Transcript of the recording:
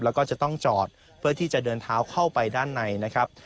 แล้วก็จะต้องจอดเพื่อที่จะเดินเท้าเข้าไปด้านในนะครับ